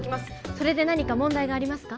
それで何か問題がありますか？